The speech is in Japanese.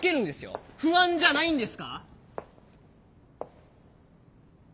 不安じゃないんですか？